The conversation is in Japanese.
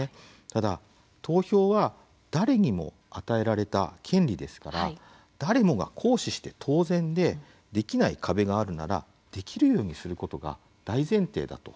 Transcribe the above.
ただ投票は誰にも与えられた権利ですから誰もが行使して当然でできない壁があるならできるようにすることが大前提だと思います。